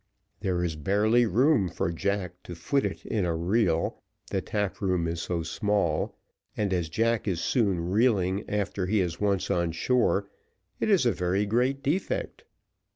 There is barely room for Jack to foot it in a reel, the tap room is so small; and as Jack is soon reeling after he is once on shore, it is a very great defect.